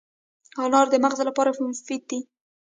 انار د مغز لپاره مفید دی.